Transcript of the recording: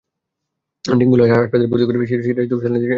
Dengue হলে হাসপাতালে ভর্তি করে শিরায় স্যালাইন দিতেই হবে এ ধারণাও ভুল।